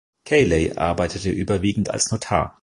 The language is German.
Cayley arbeitete überwiegend als Notar.